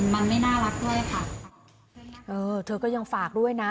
มันไม่น่ารักด้วยค่ะเออเธอก็ยังฝากด้วยนะ